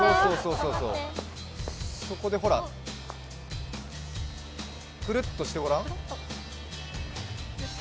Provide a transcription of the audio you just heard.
そこでほらクルッとしてごらん。